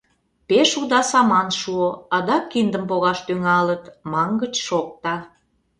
Пеш уда саман шуо... адак киндым погаш тӱҥалыт, мангыч шокта!..